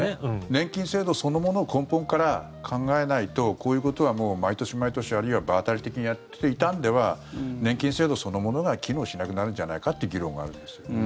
年金制度そのものを根本から考えないとこういうことはもう毎年毎年あるいは場当たり的にやっていたんでは年金制度そのものが機能しなくなるんじゃないかという議論があるんですよ。